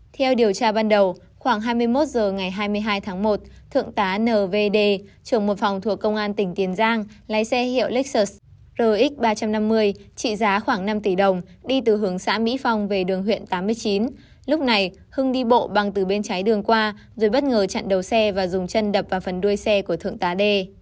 theo điều tra ban đầu khoảng hai mươi một h ngày hai mươi hai tháng một thượng tá n v d trưởng một phòng thuộc công an tỉnh tiền giang lái xe hiệu lexus rx ba trăm năm mươi trị giá khoảng năm tỷ đồng đi từ hướng xã mỹ phong về đường huyện tám mươi chín lúc này hưng đi bộ bằng từ bên trái đường qua rồi bất ngờ chặn đầu xe và dùng chân đập vào phần đuôi xe của thượng tá d